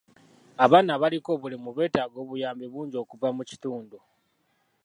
Abaana abaliko obulemu beetaaga obuyambi bungi okuva mu kitundu.